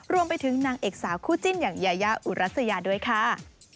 รวมไปถึงนางเอกสาวคู่จิ้นอย่างยายาอุรัสยาด้วยค่ะ